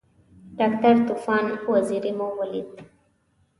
ډاکټر طوفان وزیری مو ولید.